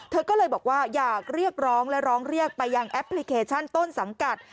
เธอก็เลยบอกว่าอยากเรียกร้องและร้องเรียกไปยังแอปพลิเคชันต้นสังกัด